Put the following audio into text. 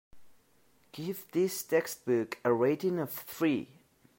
Give this textbook a rating of three.